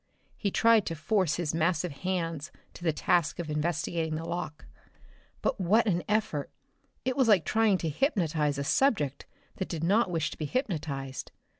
He tried to force his massive hands to the task of investigating the lock. But what an effort! It was like trying to hypnotize a subject that did not wish to be hypnotized.